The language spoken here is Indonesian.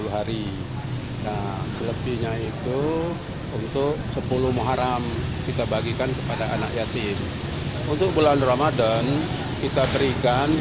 tiga puluh hari nah selebihnya itu untuk sepuluh muharam kita bagikan kepada anak yatim jadi kita berikan ke